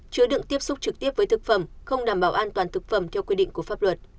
chứa đựng tiếp xúc trực tiếp với thực phẩm không đảm bảo an toàn thực phẩm theo quy định của pháp luật